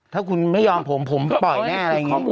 ถ้าคุณไม่ยอมผมผมปล่อยแน่อะไรอย่างนี้